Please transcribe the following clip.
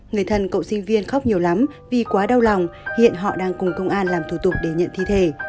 người thân cậu sinh viên khóc nhiều lắm vì quá đau lòng hiện họ đang cùng công an làm thủ tục để nhận thi thể